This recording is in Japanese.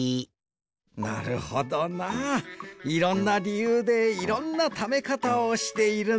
なるほどないろんなりゆうでいろんなためかたをしているんだな。